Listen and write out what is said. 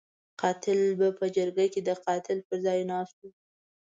قاتل به په جرګه کې د قاتل پر ځای ناست وو.